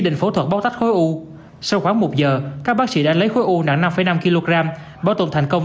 sẻ báo tách khối u sau khoảng một giờ các bác sĩ đã lấy khối u nặng năm năm kg bảo tồn thành công